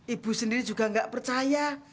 ibu sendiri juga nggak percaya